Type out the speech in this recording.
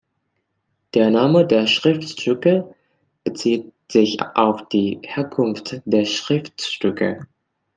Der Name der Schriftstücke bezieht sich auf die Herkunft der Schriftstücke.